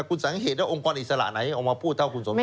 คุณสังเกตว่าองค์กรอิสระไหนออกมาพูดเท่าคุณสมชาย